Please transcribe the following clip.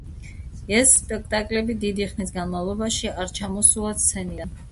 ეს სპექტაკლები დიდი ხნის განმავლობაში არ ჩამოსულა სცენიდან.